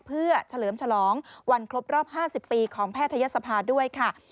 เพื่อเฉลิมฉลองวันครบรอบ๕๐ปีของแพทยศภาด้วยค่ะ